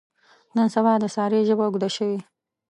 نن سبا د سارې ژبه اوږده شوې.